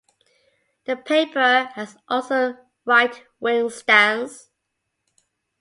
The paper has also a right-wing stance.